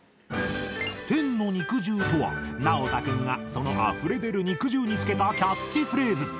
「天の肉汁」とはなおた君がそのあふれ出る肉汁に付けたキャッチフレーズ！